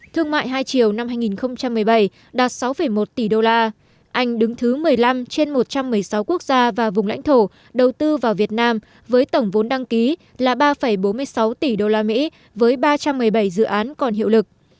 thương mại hai chiều năm hai nghìn một mươi bảy đạt sáu một tỷ đô la anh đứng thứ một mươi năm trên một trăm một mươi sáu quốc gia và vùng lãnh thổ đầu tư vào việt nam với tổng vốn đăng ký là ba bốn mươi sáu tỷ usd với ba trăm một mươi bảy dự án còn hiệu lực